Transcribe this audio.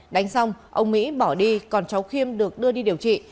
đánh xong ông mỹ bỏ đi còn cháu khiêm được đưa đi điều trị